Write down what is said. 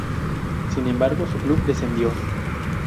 Sin embargo su club descendió.